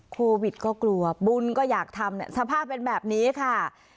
โควิดก็กลัวบุญก็อยากทำสภาพเป็นแบบนี้ค่ะ